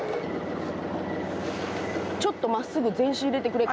ちょっと真っすぐ前進入れてくれるか？